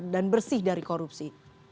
dan bersih dari korupsi